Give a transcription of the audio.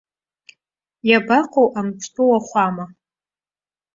Иабаҟоу амҿтәы уахәама?!